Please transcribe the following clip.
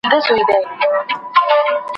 امن جنسي اړیکه د مخنیوي لار ده.